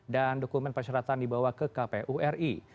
dan dokumen persyaratan dibawa ke kpu ri